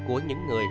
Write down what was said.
của những người